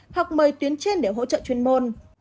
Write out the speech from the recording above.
hoặc mời tuyến trên để hỗ trợ chuyên môn